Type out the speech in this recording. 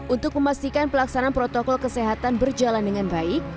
untuk memastikan pelaksanaan protokol kesehatan berjalan dengan baik